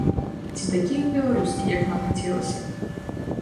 Ці такі ён беларускі, як нам хацелася б?